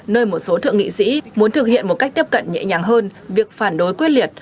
nơi một số thượng nghị sĩ muốn thực hiện một cách tiếp cận nhẹ nhàng hơn việc phản đối quyết liệt